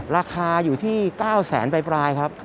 ราคาอยู่ที่๙๐๐๐๐๐บาทปลายครับ